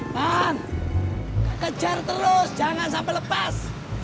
ban kejar terus jangan sampai lepas